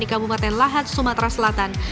di kabupaten lahat sumatera selatan